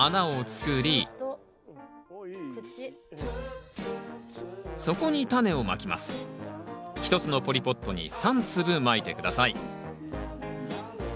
１つのポリポットに３粒まいて下さい。